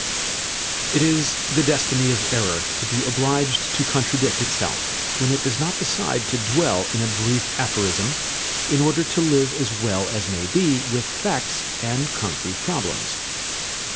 It is the destiny of error to be obliged to contradict itself, when it does not decide to dwell in a brief aphorism, in order to live as well as may be with facts and concrete problems.